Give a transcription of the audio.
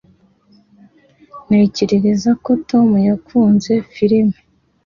Ntekereza ko Tom yakunze firime